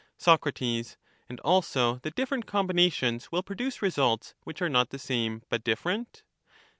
Soc. And also that different combinations will produce results which are not the same, but different?